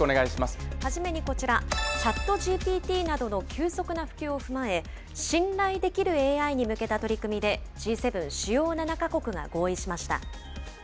初めにこちら、ＣｈａｔＧＰＴなどの急速な普及を踏まえ、信頼できるＡＩに向けた取り組みで、Ｇ７・主要７か国が合意しました。